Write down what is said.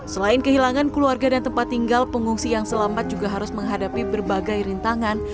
selain kehilangan keluarga dan tempat tinggal pengungsi yang selamat juga harus menghadapi berbagai rintangan